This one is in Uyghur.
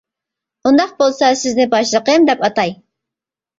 -ئۇنداق بولسا سىزنى باشلىقىم دەپ ئاتاي.